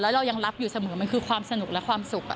เรายังรักอยู่เสมอมันคือความสนุกและความสุข